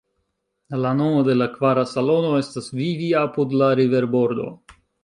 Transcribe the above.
La nomo de la kvara salono estas "Vivi apud la riverbordo".